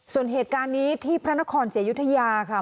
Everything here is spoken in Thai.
ส่วนเหตุการณ์นี้ที่พระนครศรีอยุธยาค่ะ